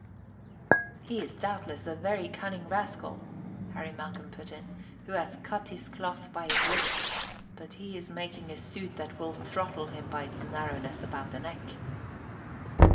"He is doubtless a very cunning rascal," Harry Malcolm put in, "who hath cut his cloth by his wits; but he is making a suit that will throttle him by its narrowness about the neck."